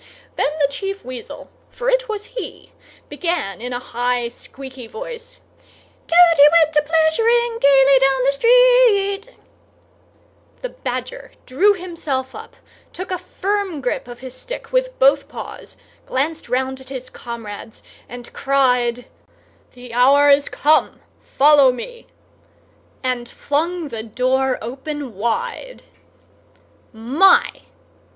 Then the Chief Weasel—for it was he—began in a high, squeaky voice— "Toad he went a pleasuring Gaily down the street—" The Badger drew himself up, took a firm grip of his stick with both paws, glanced round at his comrades, and cried— "The hour is come! Follow me!" And flung the door open wide. My!